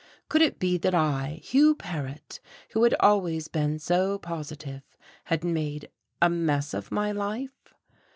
Could it be that I, Hugh Paret, who had always been so positive, had made a mess of my life?